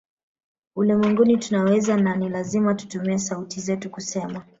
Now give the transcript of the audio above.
Ulimwenguni tunaweza na ni lazima tutumie sauti zetu kusema